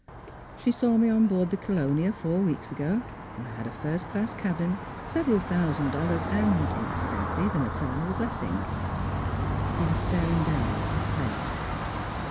She saw me on board the Calonia four weeks ago. I had a first class cabin, several thousand dol lars and, incidentally, the maternal bless ing." He was staring down at his plate.